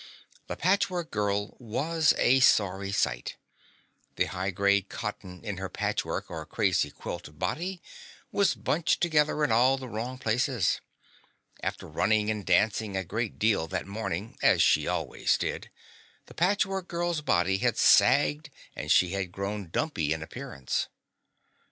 The Patchwork Girl was a sorry sight. The high grade cotton in her patchwork or "crazy quilt" body was bunched together in all the wrong places. After running and dancing a great deal that morning as she always did the Patchwork Girl's body had sagged and she had grown dumpy in appearance.